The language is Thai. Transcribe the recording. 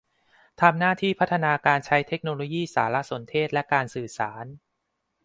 ทำหน้าที่พัฒนาการใช้เทคโนโลยีสารสนเทศและการสื่อสาร